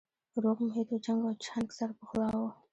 روغ محیط و جنګ او چنګ سره پخلا وو